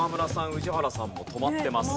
宇治原さんも止まってます。